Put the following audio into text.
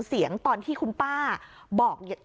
เรื่องของอกเรานั่นคือ